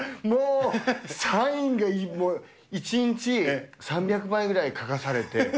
もうサインが１日３００枚ぐらい書かされて。